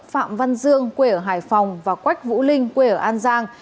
phạm văn dương quê ở hải phòng và quách vũ linh quê ở an giang